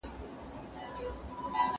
زه بايد ليکلي پاڼي ترتيب کړم.